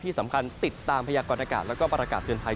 ที่สำคัญติดตามพยากรณากาศแล้วก็ประกาศเตือนภัย